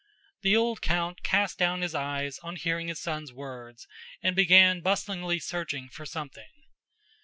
The old count cast down his eyes on hearing his son's words and began bustlingly searching for something.